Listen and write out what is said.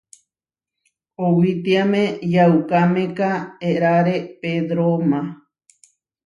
Owítiame yaukámeka eráre Pedróma.